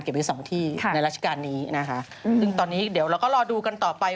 ไว้สองที่ในราชการนี้นะคะซึ่งตอนนี้เดี๋ยวเราก็รอดูกันต่อไป